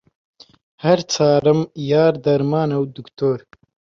هەر چارەم، یار، دەرمانە، دوکتۆر